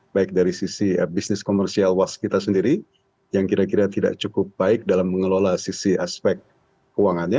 baik dari sisi bisnis komersial waskita sendiri yang kira kira tidak cukup baik dalam mengelola sisi keuangan